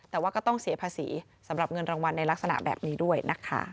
แต่ว่าก็ต้องเสียภาษีสำหรับเงินรางวัลในลักษณะแบบนี้ด้วยนะคะ